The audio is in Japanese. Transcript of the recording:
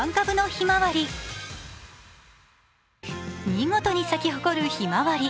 見事に咲き誇るひまわり。